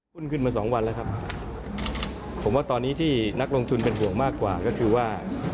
หุ้นขึ้นมาสองวันแล้วครับผมว่าตอนนี้ที่นักลงทุนเป็นห่วงมากกว่าก็คือว่า